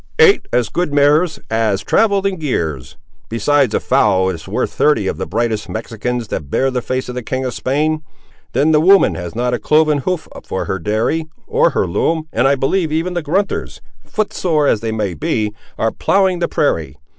"Eight as good mares as ever travelled in gears, besides a foal that is worth thirty of the brightest Mexicans that bear the face of the King of Spain. Then the woman has not a cloven hoof for her dairy, or her loom, and I believe even the grunters, foot sore as they be, are ploughing the prairie.